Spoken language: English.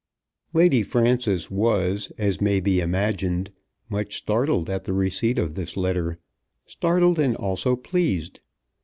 Lady Frances was, as may be imagined, much startled at the receipt of this letter; startled, and also pleased.